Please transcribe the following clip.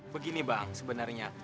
begini bang sebenarnya